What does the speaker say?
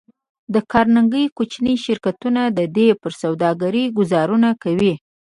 د کارنګي کوچني شرکتونه د ده پر سوداګرۍ ګوزارونه کوي